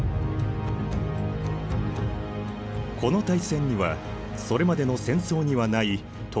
この大戦にはそれまでの戦争にはない特徴があった。